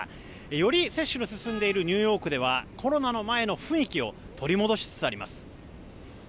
より接種が進んでいるニューヨークではコロナの前の雰囲気を取り戻しつつあります。